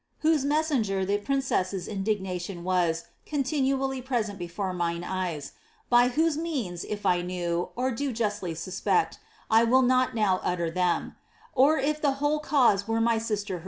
(who>e messenger the princess' indignation was, continually prc^ent > jI.fe mine eyes.) by whose means, if 1 knew, or do justly suspect, I will not L 'W utter them; or if llie whole cause were my sister her>clf,' 1 will not now ^Dr. Lin^ril.